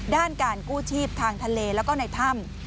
ด้านการกู้ชีพทางทะเลแล้วก็ในถ้ำ